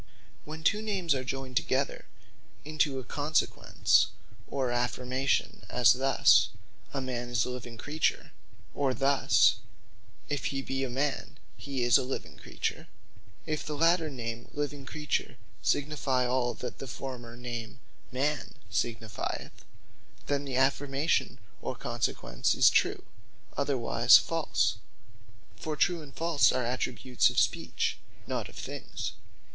When two Names are joyned together into a Consequence, or Affirmation; as thus, A Man Is A Living Creature; or thus, If He Be A Man, He Is A Living Creature, If the later name Living Creature, signifie all that the former name Man signifieth, then the affirmation, or consequence is True; otherwise False. For True and False are attributes of Speech, not of things.